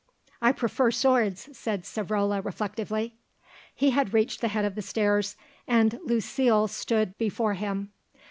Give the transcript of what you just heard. "I prefer swords," said Savrola reflectively. He had reached the head of the stairs and Lucile stood before him.